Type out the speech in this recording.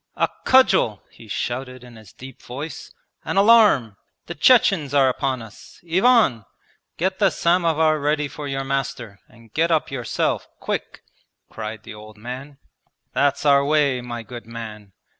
'A cudgel!' he shouted in his deep voice. 'An alarm! The Chechens are upon us! Ivan! get the samovar ready for your master, and get up yourself quick,' cried the old man. 'That's our way, my good man!